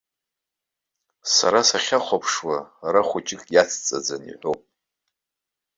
Сара сахьахәаԥшуа, ара хәыҷык иацҵаӡаны иҳәоуп.